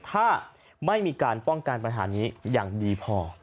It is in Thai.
ถ้าไม่มีการป้องกันปัญหานี้อย่างดีพอ